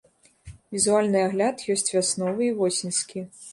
Візуальны агляд ёсць вясновы і восеньскі.